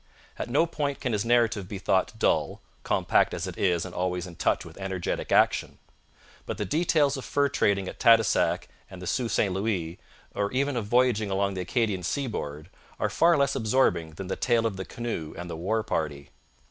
At no point can his narrative be thought dull, compact as it is and always in touch with energetic action. But the details of fur trading at Tadoussac and the Sault St Louis, or even of voyaging along the Acadian seaboard, are far less absorbing than the tale of the canoe and the war party.